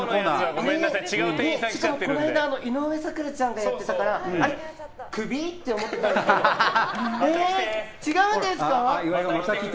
しかもこの間井上咲楽ちゃんがやってたからクビ？って思ったんですけど違うんですか？